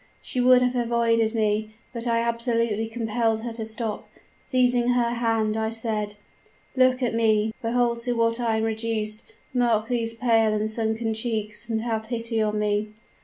She would have avoided me, but I absolutely compelled her to stop. Seizing her hand, I said, "'Look at me behold to what I am reduced mark these pale and sunken cheeks, and have pity on me!'